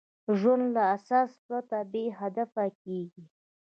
ژوند له اساس پرته بېهدفه کېږي.